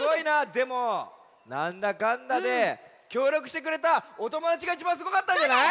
でもなんだかんだできょうりょくしてくれたおともだちがいちばんすごかったんじゃない？